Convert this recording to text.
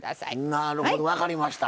なるほど分かりました。